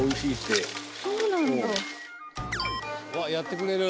うわやってくれる。